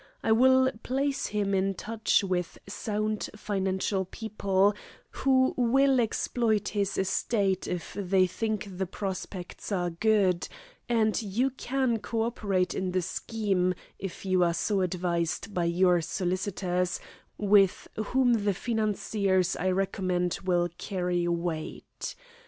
I will place him in touch with sound financial people, who will exploit his estate if they think the prospects are good, and you can co operate in the scheme, if you are so advised by your solicitors, with whom the financiers I recommend will carry weight.